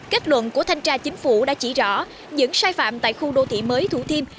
kết luận của thanh tra chính phủ đã chỉ rõ những sai phạm tại khu đô thị mới thủ thiêm